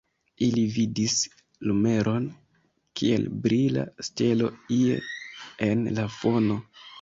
Ili vidis lumeron, kiel brila stelo, ie en la fono.